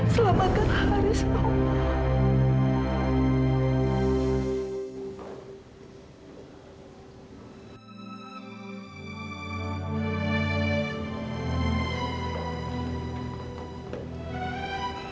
selamatkan haris ya allah